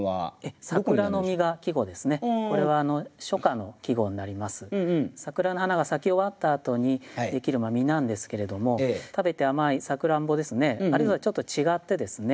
これちなみになんですけども桜の花が咲き終わったあとにできる実なんですけれども食べて甘いさくらんぼですねあるいはちょっと違ってですね